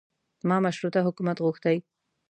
ما مشروطه حکومت غوښتی.